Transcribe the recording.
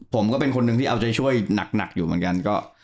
ผมก็เป็นคนหนึ่งที่เอาใจช่วยหนักอยู่เหมือนกัน